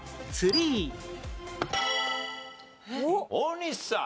大西さん。